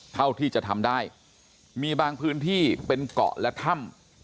เท่าที่จะทำได้มีบางพื้นที่เป็นเกาะและถ้ำ